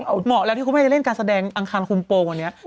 เหมาะแล้วที่คุณแม่จะเล่นการแสดงอังคารคุมโปรงวันนี้